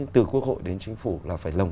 từ quốc hội đến chính phủ là phải lồng